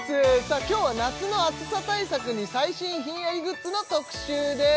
今日は夏の暑さ対策に最新ひんやりグッズの特集です